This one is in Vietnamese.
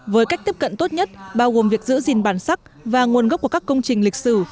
với cách tiếp cận tốt nhất bao gồm việc giữ gìn bản sắc và nguồn gốc của các công trình lịch sử